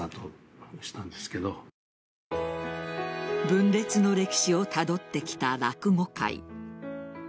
分裂の歴史をたどってきた落語界。